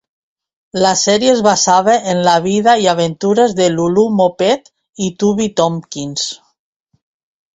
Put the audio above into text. La sèrie es basava en la vida i aventures de Lulu Moppet i Tubby Tompkins.